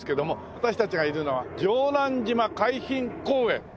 私たちがいるのは城南島海浜公園。